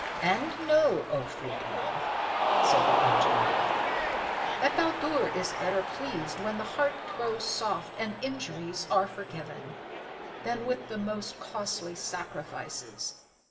"And know, O Frithiof," said the aged man, "that Baldur is better pleased when the heart grows soft and injuries are forgiven, than with the most costly sacrifices.